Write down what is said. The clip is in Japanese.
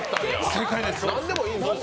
正解です。